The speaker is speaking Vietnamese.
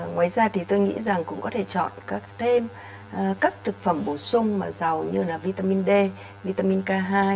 ngoài ra thì tôi nghĩ rằng cũng có thể chọn các thêm các thực phẩm bổ sung dầu như là vitamin d vitamin k hai